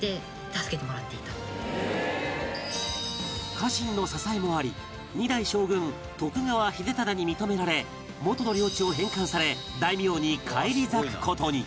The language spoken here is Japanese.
家臣の支えもあり２代将軍徳川秀忠に認められ元の領地を返還され大名に返り咲く事に